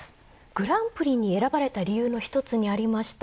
グランプリに選ばれた理由の一つにありました